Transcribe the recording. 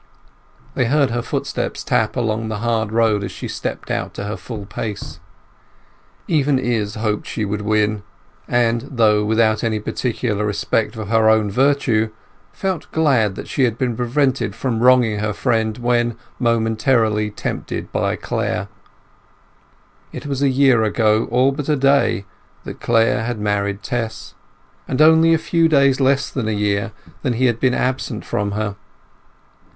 They heard her footsteps tap along the hard road as she stepped out to her full pace. Even Izz hoped she would win, and, though without any particular respect for her own virtue, felt glad that she had been prevented wronging her friend when momentarily tempted by Clare. It was a year ago, all but a day, that Clare had married Tess, and only a few days less than a year that he had been absent from her.